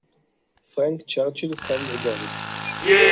Frank Churchill sang again.